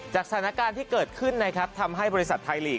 สถานการณ์ที่เกิดขึ้นนะครับทำให้บริษัทไทยลีก